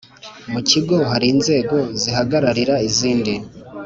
Mu kigo hari inzego zihagararira izindi.